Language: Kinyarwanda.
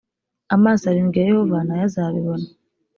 amaso arindwi ya yehova na yo azabibona